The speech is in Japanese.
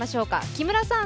木村さん